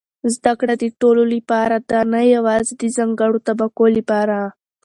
زده کړه د ټولو لپاره ده، نه یوازې د ځانګړو طبقو لپاره.